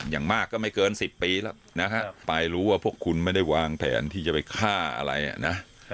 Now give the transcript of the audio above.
อย่างมากก็ไม่เกิน๑๐ปีแล้วนะฮะไปรู้ว่าพวกคุณไม่ได้วางแผนที่จะไปฆ่าอะไรอ่ะนะ